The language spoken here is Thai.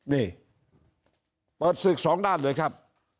นี่เปิดศึกสองด้านเลยครับ